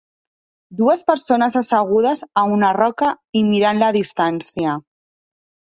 Dues persones assegudes a una roca i mirant la distància.